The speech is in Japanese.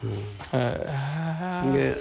へえ。